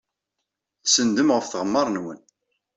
Tsenndem ɣef tɣemmar-nwen.